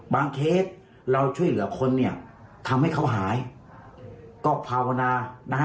เคสเราช่วยเหลือคนเนี่ยทำให้เขาหายก็ภาวนานะฮะ